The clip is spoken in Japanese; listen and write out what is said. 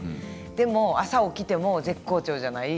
でも朝起きても絶好調ではない。